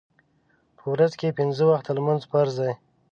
په ورځ کې پینځه وخته لمونځ فرض دی.